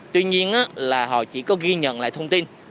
tuy nhiên là họ chỉ có ghi nhận lại thông tin